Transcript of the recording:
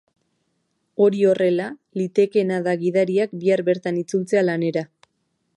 Hori horrela, litekeena da gidariak bihar bertan itzultzea lanera.